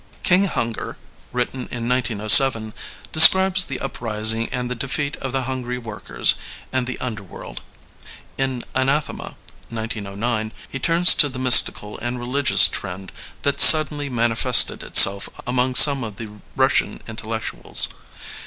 King Hunger, written in 1907, describes the uprising and the defeat of the hungry workers and the under world. In Anathema (1909), he turns to the mys tical and religious trend that suddenly manifested itself among some of the Russian intellectuals.